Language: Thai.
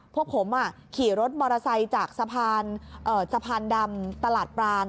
พวกผมขี่รถมอเตอร์ไซค์จากสะพานดำตลาดปราง